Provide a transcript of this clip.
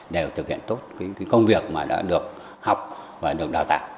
đều thực hiện tốt công việc mà đã được học và được đào tạo